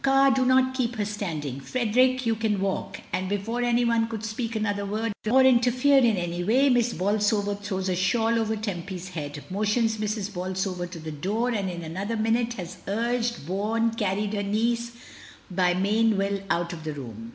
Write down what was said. "Car, do not keep her standing; Frederick, you can walk;" and be fore any one could speak another word or interfere in any way, Miss Bolsover throws a shawl over Temp/s head, motions Mrs. Bolsover to the door, and in another minute has urged, borne, carried her niece by main will out of the room.